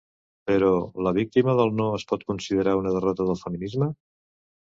Però, la victòria del “no” es pot considerar una derrota del feminisme?